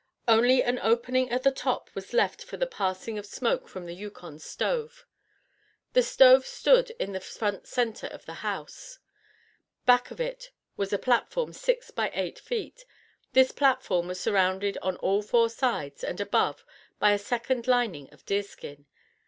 Only an opening at the top was left for the passing of smoke from the Yukon stove. The stove stood in the front center of the house. Back of it was a platform six by eight feet. This platform was surrounded on all four sides and above by a second lining of deerskin.